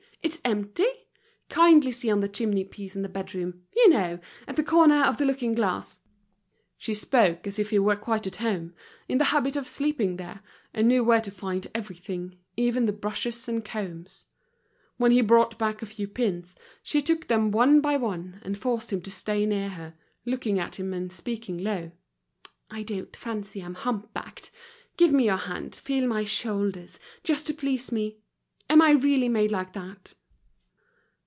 it's empty? Kindly see on the chimney piece in the bedroom; you know, at the corner of the looking glass." She spoke as if he were quite at home, in the habit of sleeping there, and knew where to find everything, even the brushes and combs. When he brought back a few pins, she took them one by one, and forced him to stay near her, looking at him and speaking low. "I don't fancy I'm hump backed. Give me your hand, feel my shoulders, just to please me. Am I really made like that?"